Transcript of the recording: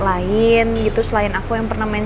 lain gitu selain aku yang pernah main